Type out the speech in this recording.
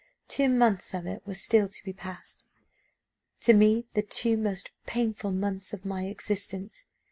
Two months of it were still to be passed to me the two most painful months of my existence.